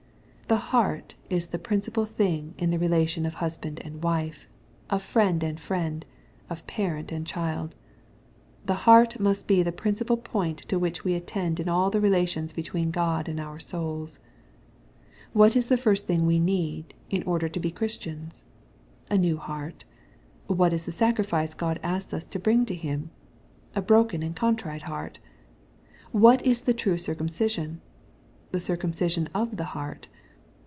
The heart is the principal thing in the relation of husband and wife, of friend and friend, of parent and if child. ' The heart must be the principal point to which we attend in all the relations between God and our souls. What is' the first thing we need, in order to be Chris tians ? A new heart. — What is the sacrifice God asks us to bring to him .p A broken and a contrite heart. — What is the true circumcision ? The circumcision of the heart.